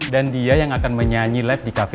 dan dia yang akan menyanyi live di cafe nya sekarang ini